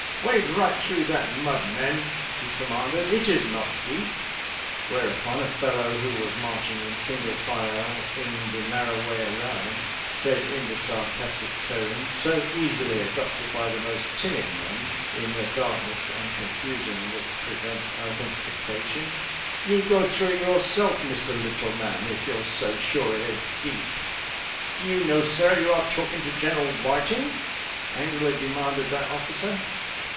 " Wade right through that mud, men," he commanded ;" it is not deep." Where upon a fellow who was marching in single file in the narrow way around, said in the sarcastic tone so easily adopted by the most timid man in a darkness and confusion which prevents identi fication, " You go through it yourself, Mr. Little Man, if you're so sure it ain't deep." " Do you know, sir, you are talking to General Whiting? " angrily demanded that officer.